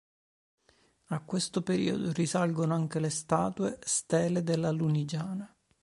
A questo periodo risalgono anche le statue stele della Lunigiana.